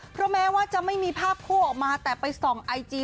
เพราะแม้ว่าจะไม่มีภาพคู่ออกมาแต่ไปส่องไอจี